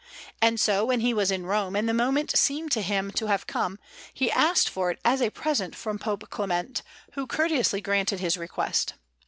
And so, when he was in Rome and the moment seemed to him to have come, he asked for it as a present from Pope Clement, who courteously granted his request.